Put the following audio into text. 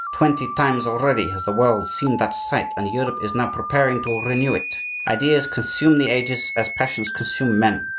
Twenty times already has the world seen that sight, and Europe is now preparing to renew it. Ideas consume the ages as passions consume men.